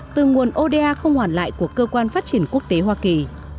từ nguồn oda không hoàn lại của cơ quan phát triển quốc tế hoa kỳ